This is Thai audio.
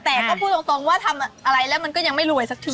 แต่ก็พูดตรงว่าทำอะไรแล้วมันก็ยังไม่รวยสักที